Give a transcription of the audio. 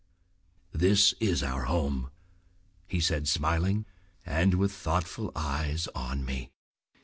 ... "This is our home," he said smiling, and with thoughtful eyes on me.